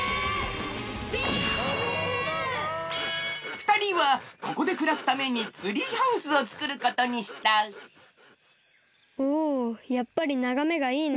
ふたりはここでくらすためにツリーハウスをつくることにしたおやっぱりながめがいいな。